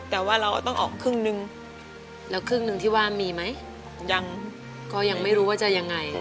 แต่ว่าเราต้องออกครึ่งนึงแล้วครึ่งหนึ่งที่ว่ามีไหมยังก็ยังไม่รู้ว่าจะยังไง